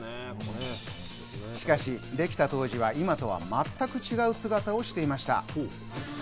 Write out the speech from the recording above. しかしできた当時は今とは全く違う姿をしていました。